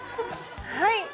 はい。